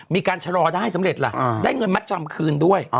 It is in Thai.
มีการชะลอได้สำเร็จล่ะได้เงินมัดจำคืนด้วย